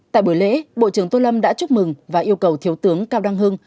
tại buổi lễ bộ trưởng tô lâm đã chúc mừng và yêu cầu thiếu tướng cao đăng hưng